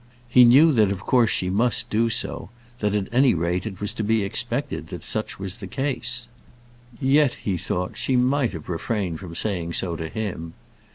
He knew that of course she must do so; that at any rate it was to be expected that such was the case. Yet, he thought, she might have refrained from saying so to him.